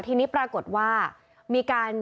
ทีนี้ปรากฏว่ามีการ